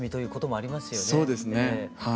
そうですねはい。